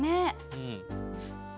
うん。